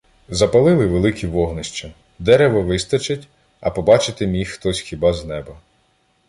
Запалили великі вогнища: дерева вистачить, а побачити міг хтось хіба з неба.